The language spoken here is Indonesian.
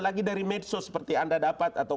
lagi dari medsos seperti anda dapat atau